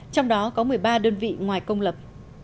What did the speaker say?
trong đó có một mươi ba đơn vị ngoài công lập